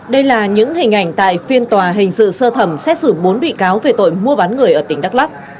đây là những hình ảnh tại phiên tòa hình sự sơ thẩm xét xử bốn bị cáo về tội mua bán người ở tỉnh đắk lắc